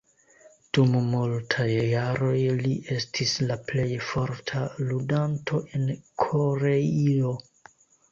Dum multaj jaroj li estis la plej forta ludanto en Koreio.